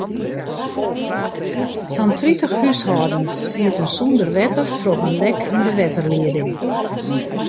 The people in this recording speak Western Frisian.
Sa'n tritich húshâldens sieten sûnder wetter troch in lek yn de wetterlieding.